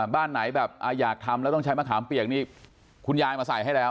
บ้านไหนแบบอยากทำแล้วต้องใช้มะขามเปียกนี่คุณยายมาใส่ให้แล้ว